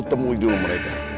kau temui dulu mereka